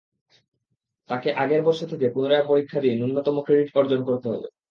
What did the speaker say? তাকে আগের বর্ষে থেকে পুনরায় পরীক্ষা দিয়ে ন্যূনতম ক্রেডিট অর্জন করতে হবে।